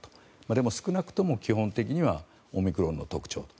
でも少なくとも基本的にはオミクロンの特徴と。